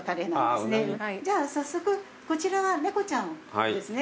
じゃ早速こちらは猫ちゃんですね。